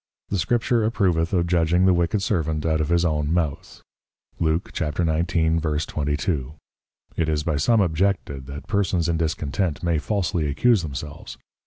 The Scripture approveth of Judging the wicked Servant out of his own Mouth, Luke 19.22. It is by some objected, that Persons in Discontent may falsly accuse themselves.